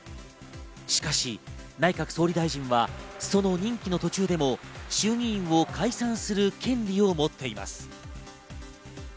しかし内閣総理大臣はその任期の途中でも衆議院を解散する権利を持っています。